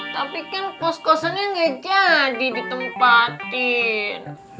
tapi kan kos kosannya gak jadi ditempatin